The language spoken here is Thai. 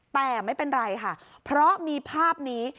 แต่ไม่เป็นไรค่ะเพราะมีภาพนี้